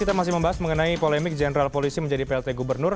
kita masih membahas mengenai polemik general polisi menjadi plt gubernur